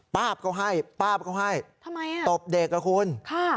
ป้าบก็ให้ป้าบก็ให้ตบเด็กเหรอคุณค่ะทำไม